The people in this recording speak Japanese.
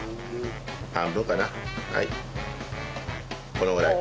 このぐらい。